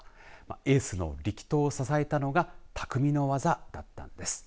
エースの力投を支えたのがたくみの技だったんです。